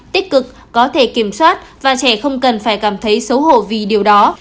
tích cực có thể kiểm soát và trẻ không cần phải cảm thấy xấu hổ vì điều đó